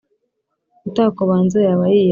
Utakubanza yaba yiyanze,